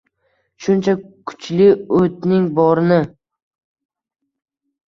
Shuncha kuchli o’tning borini.